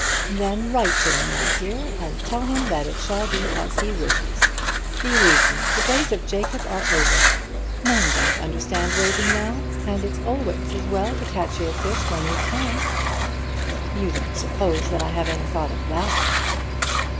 "Then write to him, my dear, and tell him that it shall be as he wishes it. Believe me, the days of Jacob are over. Men don't understand waiting now, and it's always as well to catch your fish when you can." "You don't suppose I have any thought of that kind?"